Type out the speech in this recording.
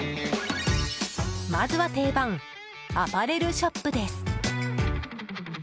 まずは定番アパレルショップです。